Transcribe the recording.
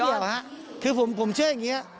ไม่เกี่ยวครับคือผมเชื่ออย่างนี้